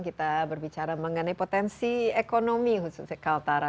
kita berbicara mengenai potensi ekonomi khususnya kaltara